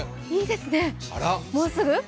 いいですね、もうすぐ？